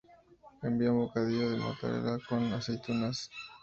Envía un bocadillo de mortadela con aceitunas